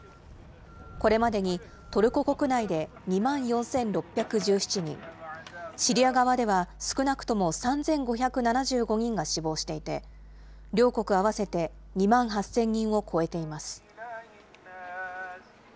これまでにトルコ国内で２万４６１７人、シリア側では少なくとも３５７５人が死亡していて、両国合わせて２万８０００人を超えています。